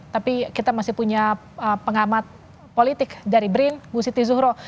tapi kita masih punya pengamat politik dari brin bu siti zuhro